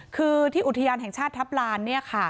คือที่อุทยานแห่งชาติทัพลานเนี่ยค่ะ